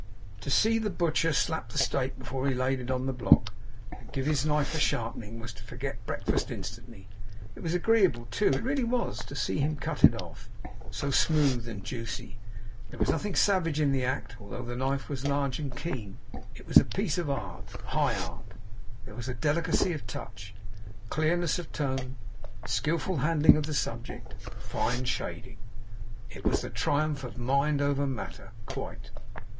To see the butcher slap the steak, before he laid it on the block, and give his knife a sharpening, was to forget breakfast instantly. It was agreeable, too it really was to see him cut it off, so smooth and juicy. There was nothing savage in the act, although the knife was large and keen; it was a piece of art, high art; there was delicacy of touch, clearness of tone, skillful handling of the subject, fine shading. It was the triumph of mind over matter; quite.